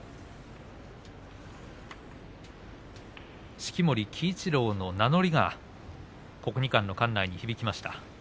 式守鬼一郎の名乗りが国技館に響きました。